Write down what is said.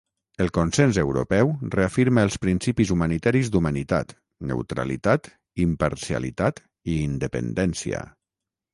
El Consens Europeu reafirma els principis humanitaris d'humanitat, neutralitat, imparcialitat i independència.